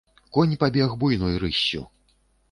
Конь пабег буйной рыссю.